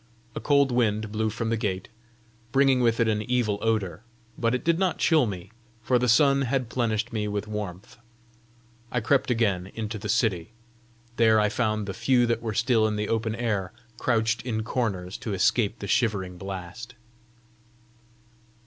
A cold wind blew from the gate, bringing with it an evil odour; but it did not chill me, for the sun had plenished me with warmth. I crept again into the city. There I found the few that were still in the open air crouched in corners to escape the shivering blast.